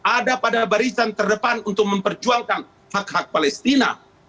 ada pada barisan terdepan untuk memperjuangkan hak hak palestina